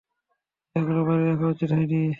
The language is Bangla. এগুলো বাইরে রাখা উচিৎ হয়নি।